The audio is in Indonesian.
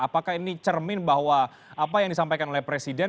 apakah ini cermin bahwa apa yang disampaikan oleh presiden